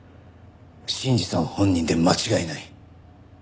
信二さん本人で間違いない。